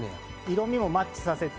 色みもマッチさせて。